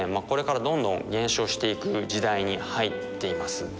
これからどんどん減少していく時代に入っています。